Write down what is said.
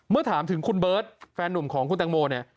เมื่อถามถึงคุณเบิร์ตแฟนหนุ่มของคุณตังโมเนี่ย